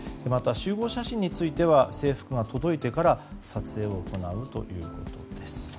また集合写真については制服が届いてから撮影を行うということです。